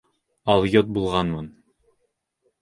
Алйот булғанмын.